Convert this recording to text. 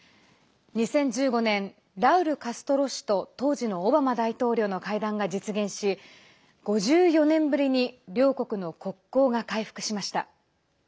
２０１５年ラウル・カストロ氏と当時のオバマ大統領の会談が実現し５４年ぶりに両国の国交が回復しました。